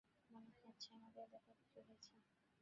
মনে হচ্ছে আমাদের দেখে খুশি হয়েছেন।